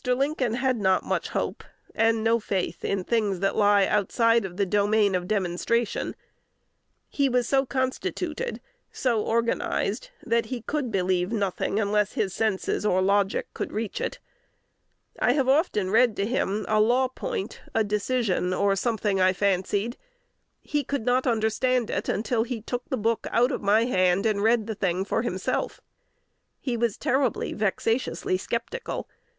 Lincoln had not much hope and no faith in things that lie outside of the domain of demonstration: he was so constituted, so organized, that he could believe nothing unless his senses or logic could reach it. I have often read to him a law point, a decision, or something I fancied: he could not understand it until he took the book out of my hand, and read the thing for himself. He was terribly, vexatiously sceptical.